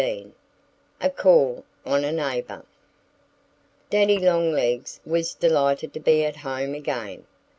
XV A CALL ON A NEIGHBOR DADDY LONGLEGS was delighted to be at home again.